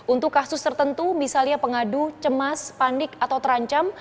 untuk kasus tertentu misalnya pengadu cemas panik atau terancam